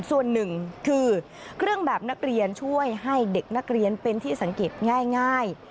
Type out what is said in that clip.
ส่วนหนึ่งคือเครื่องแบบนักเรียนช่วยให้เด็กนักเรียนเป็นที่สังเกตง่าย